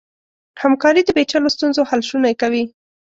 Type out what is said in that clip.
همکاري د پېچلو ستونزو حل شونی کوي.